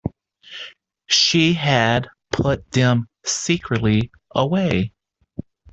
She had put them secretly away.